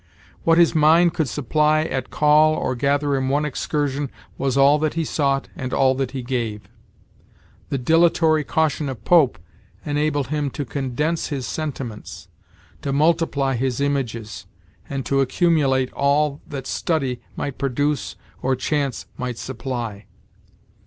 What his mind could supply at call or gather in one excursion was all that he sought and all that he gave. The dilatory caution of Pope enabled him to condense his sentiments, to multiply his images, and to accumulate all that study might produce or chance might supply.